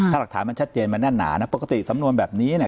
ถ้าหลักฐานมันชัดเจนมันแน่นหนานะปกติสำนวนแบบนี้เนี่ย